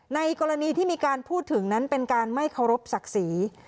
ในกรณีที่มีการพูดถึงนั้นเป็นการไม่เคารพศักดิ์ศรี